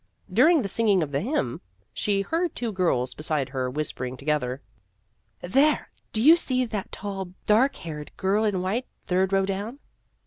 During the singing of the hymn, she heard two girls beside her whispering together. " There do you see that tall dark haired girl in white, third row down